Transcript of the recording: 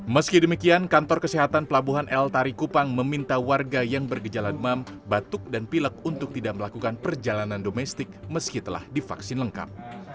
meski demikian kantor kesehatan pelabuhan el tarikupang meminta warga yang bergejalan mam batuk dan pilek untuk tidak melakukan perjalanan domestik meskipun telah divaksin lengkap